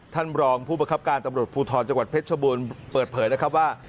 ท่านรองผู้ประคับการตำรวจภูทรจังหวัดเพชรชบูรณ์เปิดเผยนะครับว่า